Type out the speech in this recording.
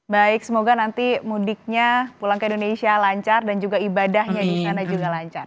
baik semoga nanti mudiknya pulang ke indonesia lancar dan juga ibadahnya di sana juga lancar